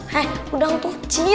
heh gudang tocil